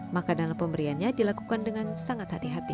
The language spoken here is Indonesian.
maka dalam pemberiannya dilakukan dengan sangat hati hati